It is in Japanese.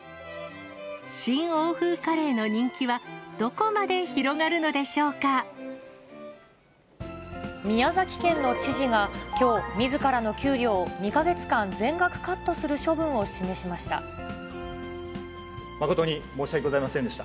新欧風カレーの人気はどこま宮崎県の知事がきょう、みずからの給料２か月間全額カットする処分を示しました。